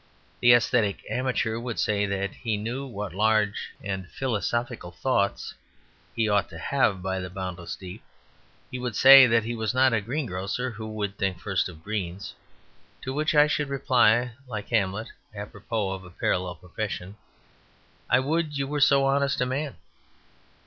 The aesthetic amateur would say that he knew what large and philosophical thoughts he ought to have by the boundless deep. He would say that he was not a greengrocer who would think first of greens. To which I should reply, like Hamlet, apropos of a parallel profession, "I would you were so honest a man."